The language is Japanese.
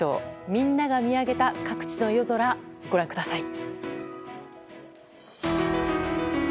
みんなが見上げた各地の夜空ご覧ください。